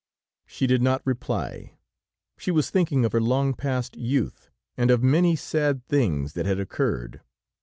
She did not reply; she was thinking of her long past youth, and of many sad things that had occurred.